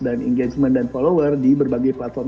dan engagement dan follower di berbagai platform